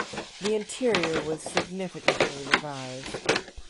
The interior was significantly revised.